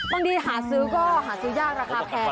บางทีหาซื้อก็หาซื้อยากราคาแพง